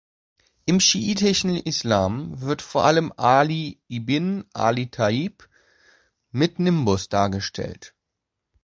Im schiitischen Islam wird vor allem Ali ibn Abi Talib mit Nimbus dargestellt.